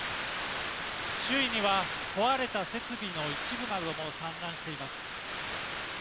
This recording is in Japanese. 周囲には、壊れた設備の一部なども散乱しています。